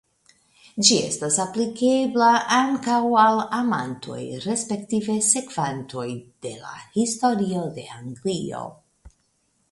Ĝi estas aplikebla ankaŭ al amantoj (respektive sekvantoj) de la Historio de Anglio.